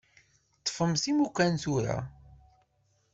Ṭṭfemt imukan tura.